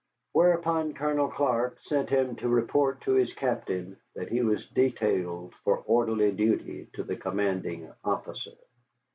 Whereupon Colonel Clark sent him to report to his captain that he was detailed for orderly duty to the commanding officer.